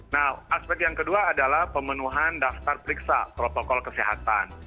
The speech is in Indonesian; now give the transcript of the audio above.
nah aspek yang kedua adalah pemenuhan daftar periksa protokol kesehatan